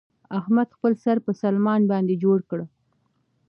احمد خپل سر په سلمان باندې جوړ کړ.